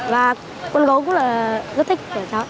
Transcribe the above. và con gấu cũng là rất thích của cháu